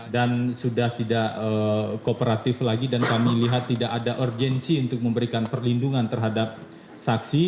sudah tidak kooperatif lagi dan kami lihat tidak ada urgensi untuk memberikan perlindungan terhadap saksi